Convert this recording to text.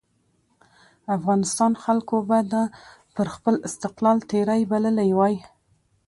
افغانستان خلکو به دا پر خپل استقلال تېری بللی وای.